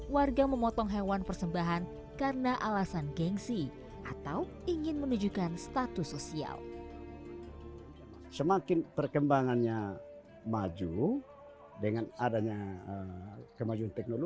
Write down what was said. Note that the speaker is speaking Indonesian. warga sumba memang masih memegang teguh